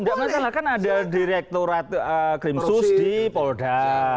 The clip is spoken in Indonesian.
tidak masalah kan ada direkturat krim sus di polda